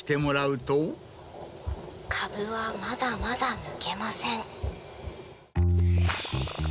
「カブはまだまだ抜けません」。